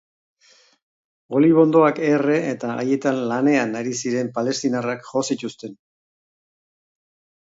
Olibondoak erre eta haietan lanean ari ziren palestinarrak jo zituzten.